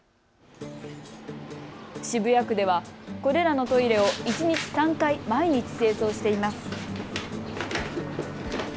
渋谷区ではこれらのトイレを一日３回毎日清掃しています。